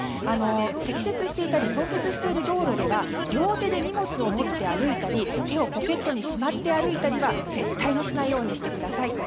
積雪していたり凍結している道路では両手で荷物を持って歩いたり手をポケットにしまって歩いたりは絶対にしないようにしてください。